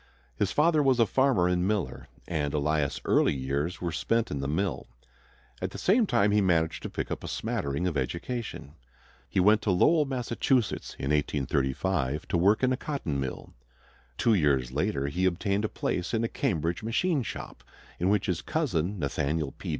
His father was a farmer and miller, and Elias' early years were spent in the mill. At the same time he managed to pick up a smattering of education. He went to Lowell, Massachusetts, in 1835, to work in a cotton mill. Two years later he obtained a place in a Cambridge machine shop, in which his cousin, Nathaniel P.